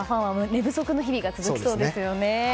寝不足な日々が続きそうですね。